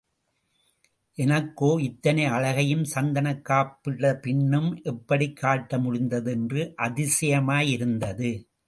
எனக்கோ, இத்தனை அழகையும் சந்தனக் காப்பிட்ட பின்னும் எப்படிக் காட்ட முடிந்தது என்று அதிசயமாயிருந்தது.